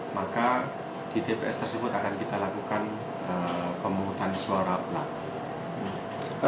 maka di tps tersebut akan kita lakukan pemungutan suara ulang